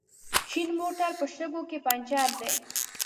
شين موټر په شګو کې پنچر دی